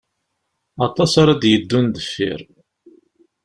Aṭas ara d-yeddun deffir.